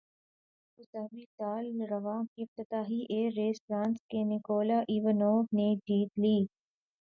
Abu Dhabi سال رواں کی افتتاحی ایئر ریس فرانس کے نکولا ایوانوف نے جیت لی